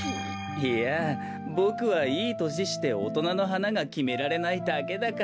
いやボクはいいとししておとなのはながきめられないだけだから。